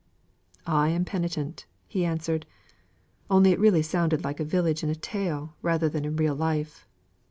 "I am penitent," he answered. "Only it really sounded like a village in a tale rather than in real life."